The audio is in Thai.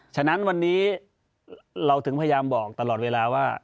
ฉะนั้นวันนี้เราถึงพยายามบอกตลอดเวลาว่า